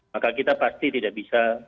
maka kita pasti tidak bisa